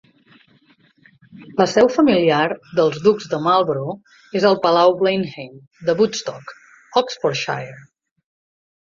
La seu familiar dels Ducs de Marlborough és el Palau Blenheim de Woodstock, Oxfordshire.